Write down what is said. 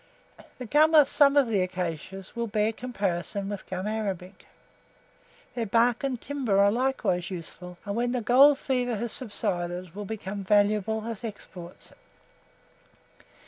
The gum of some of the acacias will bear comparison with gum arabic. Their bark and timber are likewise useful, and when the gold fever has subsided, will become valuable as exports.